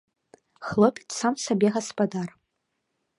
Хлопец сам сабе гаспадар.